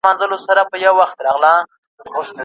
بس چي هر څومره زړېږم دغه سِر را معلومیږي